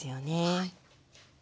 はい。